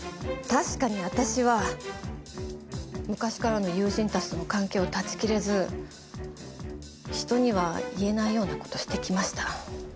確かに私は昔からの友人たちとの関係を断ち切れず人には言えないような事してきました。